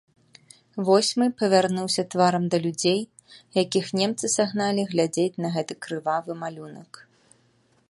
Восьмы павярнуўся тварам да людзей, якіх немцы сагналі глядзець на гэты крывавы малюнак.